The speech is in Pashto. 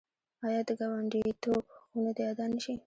آیا د ګاونډیتوب حقونه دې ادا نشي؟